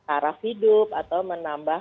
arah hidup atau menambah